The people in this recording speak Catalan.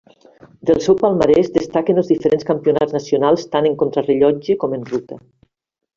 Del seu palmarès destaquen els diferents campionats nacionals tant en contrarellotge com en ruta.